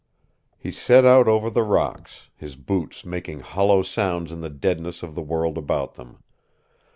He set out over the rocks, his boots making hollow sounds in the deadness of the world about them.